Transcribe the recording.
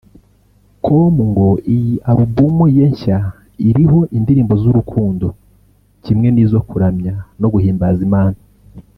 com ngo iyi album ye nshya iriho indirimbo z’urukundo kimwe n’izo kuramya no guhimbaza Imana